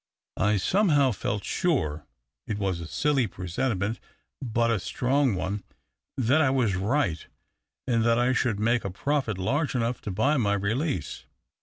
I somehow felt sure — it was a silly presentiment, but a strong one — that I was right, and that I should make a profit large enough to buy my release.